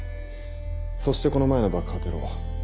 そしてこの前の爆破テロ。